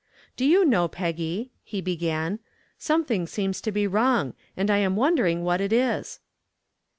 "Do you know, Peggy," he began, "something seems to be wrong, and I am wondering what it is."